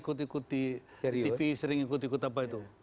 yang ikut ikuti tv sering ikut ikut apa itu